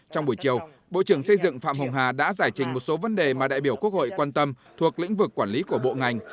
trong buổi chiều bộ trưởng xây dựng phạm hồng hà đã giải trình một số vấn đề mà đại biểu quốc hội quan tâm thuộc lĩnh vực quản lý của bộ ngành